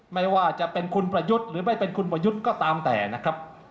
ไม่ว่าจะเป็นคุณประยุทธ์หรือไม่เป็นคุณประยุทธ์ก็ตามแต่นะครับ